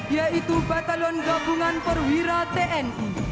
yaitu batalion gabungan perwira tni